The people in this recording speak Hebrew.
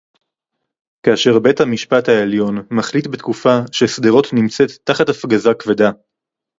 כאשר בית-המשפט העליון מחליט בתקופה ששדרות נמצאת תחת הפגזה כבדה